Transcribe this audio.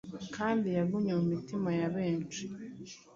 kandi yagumye mu mitima ya benshi